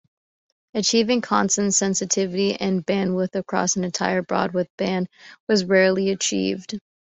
Achieving constant sensitivity and bandwidth across an entire broadcast band was rarely achieved.